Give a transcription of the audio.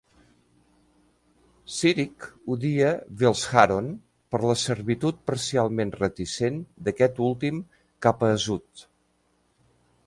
Cyric odia Velsharoon per la servitud parcialment reticent d'aquest últim cap a Azuth.